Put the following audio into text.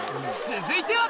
続いては！